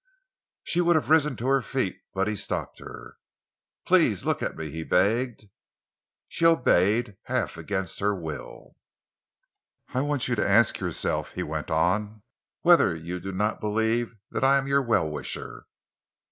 She would have risen to her feet but he stopped her. "Please look at me," he begged. She obeyed, half against her will. "I want you to ask yourself," he went on, "whether you do not believe that I am your well wisher.